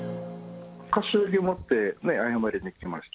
菓子折持って謝りに来ました。